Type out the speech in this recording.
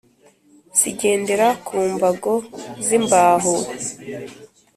zigendera ku mbago z’imbahu